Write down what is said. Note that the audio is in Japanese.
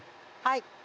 はい。